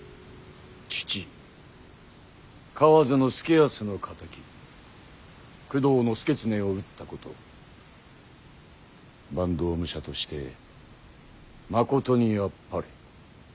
父河津祐泰の敵工藤祐経を討ったこと坂東武者としてまことにあっぱれ。